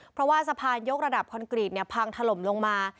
เพราะว่าสะพานยกระดับคอนกรีตพังถล่มลงมา